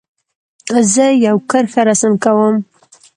زه یو کرښه رسم کوم.